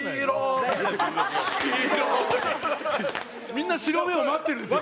みんな白目を待ってるんですよ。